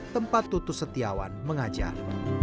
tempat tutus setiawan mengajar